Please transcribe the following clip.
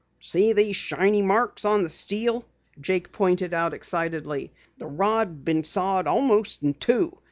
"See these shiny marks on the steel," Jake pointed out excitedly. "The rod had been sawed almost in two.